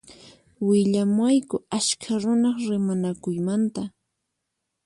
Willawayku askha runaq rimanakuymanta.